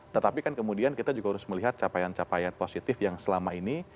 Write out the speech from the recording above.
tetapi kan kemudian kita juga harus melihat capaian capaian positif yang selama ini